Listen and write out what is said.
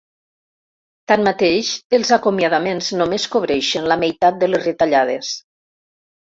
Tanmateix, els acomiadaments només cobreixen la meitat de les retallades.